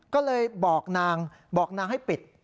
ก็เลยบอกนางให้ปิด